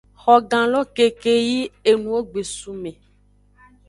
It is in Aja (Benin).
Xogan lo keke yi enuwo gbe sun me.